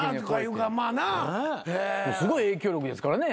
すごい影響力ですからね